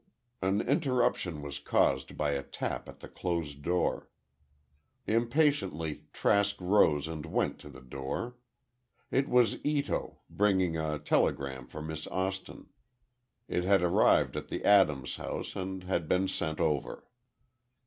An interruption was caused by a tap at the closed door. Impatiently, Trask rose and went to the door. It was Ito, bringing a telegram for Miss Austin. It had arrived at the Adams house, and had been sent over.